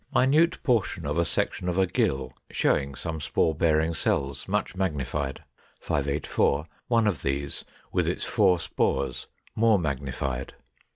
Minute portion of a section of a gill, showing some spore bearing cells, much magnified. 584. One of these, with its four spores, more magnified.